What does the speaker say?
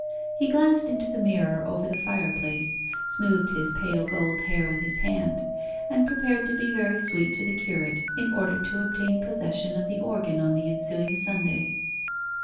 He glanced into the mirror over the fireplace, smoothed his pale gold hair with his hand, and prepared to be very sweet to the curate in order to obtain possession of the organ on the ensuing Sunday.